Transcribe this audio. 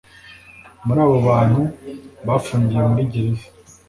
muri abo bantu bafungiye muri gereza